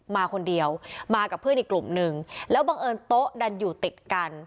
มาคนเดียวมากับเพื่อนอีกกลุ่มหนึ่งแล้วบังเอิญโต๊ะดันอยู่ติดกัน